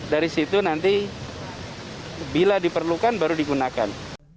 dari situ nanti bila diperlukan baru digunakan